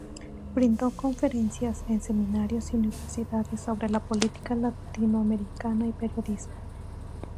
Brindó conferencias en seminarios y universidades sobre la política latinoamericana y periodismo.